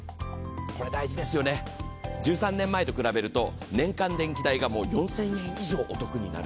これ大事ですよね、１３年前と比べると年間電気代が４０００円以上もお得になる。